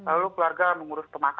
lalu keluarga mengurus pemakamannya